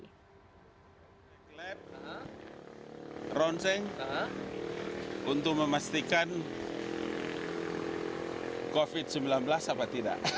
klap ronseng untuk memastikan covid sembilan belas apa tidak